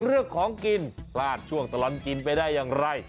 เรื่องของกินพลาดช่วงตลอดกินไปได้อย่างไร